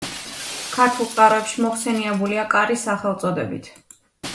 ქართულ წყაროებში მოხსენიებულია „კარის“ სახელწოდებით.